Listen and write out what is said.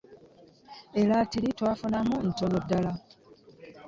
Eratiri twafunamu ntono ddala.